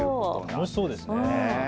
楽しそうですね。